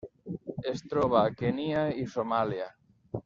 Es troba a Kenya i Somàlia.